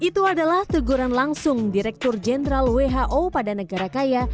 itu adalah teguran langsung direktur jenderal who pada negara kaya